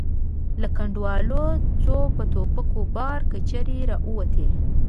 له کنډوالو څو په ټوپکو بار کچرې را ووتې.